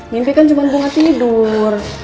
mimpi kan cuma bunga tidur